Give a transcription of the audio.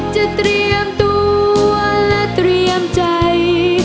เตรียมตัวและเตรียมใจ